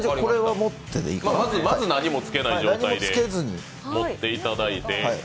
まず何も付けない状態で持っていただいて。